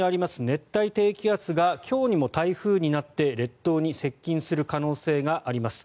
熱帯低気圧が今日にも台風になって、列島に接近する可能性があります。